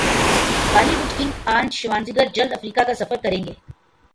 Bali would king Arnold Schwarzenegger جلد افریقہ کاسفر کریں گے